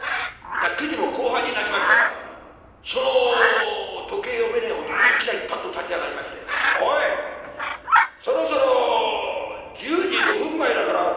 ９時も後半になりましたらその時計読めねえ男がいきなりパッと立ち上がりまして「おいそろそろ１０時５分前だからお開きにしねえか？」。